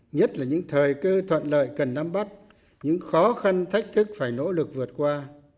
nhất là những thời cơ thuận lợi cần nắm bắt những khó khăn thách thức phải nỗ lực vượt qua